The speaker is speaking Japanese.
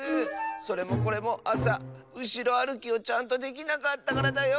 それもこれもあさうしろあるきをちゃんとできなかったからだよ。